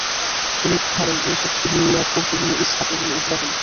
তিনি হলেন Yusuf ibn Yaqub ibn Ishaq ibn Ibrahim.